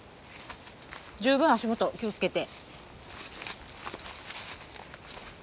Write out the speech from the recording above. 十分足元気を付けて。